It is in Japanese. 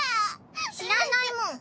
知らないもん。